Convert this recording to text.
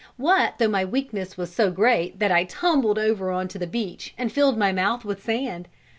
What though my weakness was so great that I tumbled over on to the beach and filled my mouth with sand?